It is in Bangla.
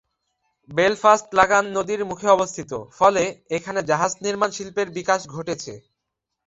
বেলফাস্ট লাগান নদীর মুখে অবস্থিত, ফলে এখানে জাহাজ নির্মাণ শিল্পের বিকাশ ঘটেছে।